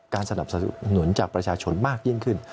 สนับสนุนจากประชาชนมากยิ่งขึ้น